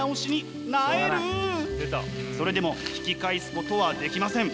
それでも引き返すことはできません。